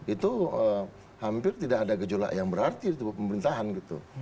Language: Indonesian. itu hampir tidak ada gejolak yang berarti di tubuh pemerintahan gitu